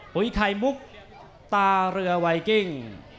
ไข่มุกตาเรือไวกิ้ง